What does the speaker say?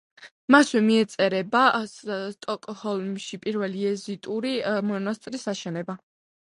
მასვე მიეწერება სტოკჰოლმში პირველი იეზუიტური მონასტრის აშენება.